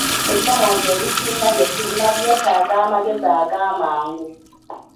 Ebisoomooza ebisinga bye tulina byetaaga amagezi agamangu.